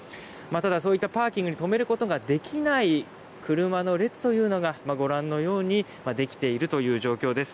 ただ、そういったパーキングに止めることができない車の列がご覧のようにできているという状況です。